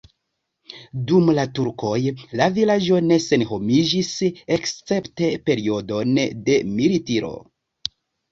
Dum la turkoj la vilaĝo ne senhomiĝis, escepte periodon de militiro.